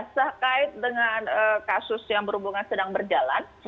terkait dengan kasus yang berhubungan sedang berjalan